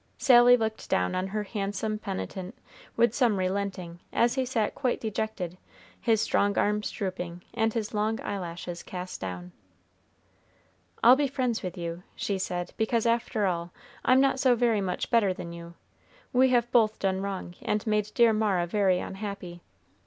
Sally looked down on her handsome penitent with some relenting, as he sat quite dejected, his strong arms drooping, and his long eyelashes cast down. "I'll be friends with you," she said, "because, after all, I'm not so very much better than you. We have both done wrong, and made dear Mara very unhappy.